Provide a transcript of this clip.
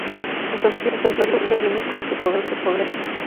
El Santuario fue adquiriendo bienes con los que poder existir.